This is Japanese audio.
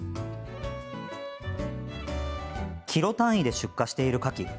キロ単位で出荷しているかき。